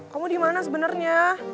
kamu dimana sebenarnya